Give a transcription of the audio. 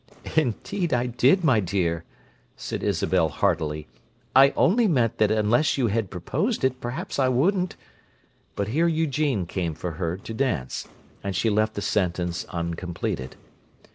"Indeed, I did, my dear!" said Isabel heartily. "I only meant that unless you had proposed it, perhaps I wouldn't—" But here Eugene came for her to dance, and she left the sentence uncompleted.